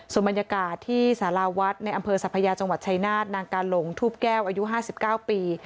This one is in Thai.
ส่วนบรรยากาศที่สาราวัดในอำเภอสัพยาจังหวัดชายนาฏนางกาหลงทูบแก้วอายุ๕๙ปี